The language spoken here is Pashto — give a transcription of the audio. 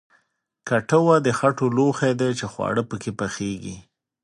کټوه د خټو لوښی دی چې خواړه پکې پخیږي